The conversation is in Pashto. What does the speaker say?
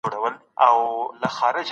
ماشومان بايد کتابتون ته لاړ سي.